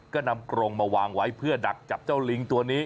ก็นำกรงมาวางไว้เพื่อดักจับเจ้าลิงตัวนี้